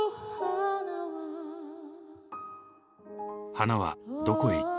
「花はどこへ行った」。